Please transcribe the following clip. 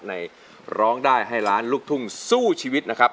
ร้องได้ให้ล้านลูกทุ่งสู้ชีวิตนะครับ